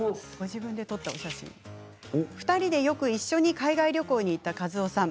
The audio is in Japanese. ２人でよく一緒に海外旅行に行った和夫さん。